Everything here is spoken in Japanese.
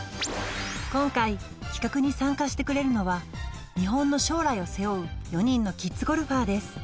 今回企画に参加してくれるのは日本の将来を背負う４人のキッズゴルファーです